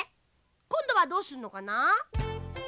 こんどはどうするのかな？